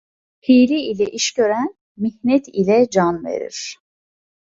Hile ile iş gören mihnet ile can verir.